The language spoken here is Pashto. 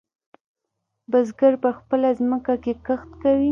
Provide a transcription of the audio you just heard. بزگر په خپله ځمکه کې کښت کوي.